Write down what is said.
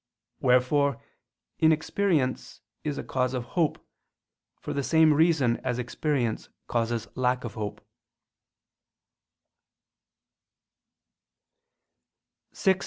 Wherefore inexperience is a cause of hope, for the same reason as experience causes lack of hope.